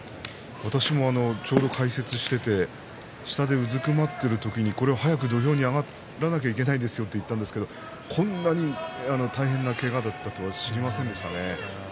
私もちょうど解説をしていて下で、うずくまっている時に土俵に上がらなければいけないんですよと言ったんですけどこんなに大変なけがだったとは知りませんでした。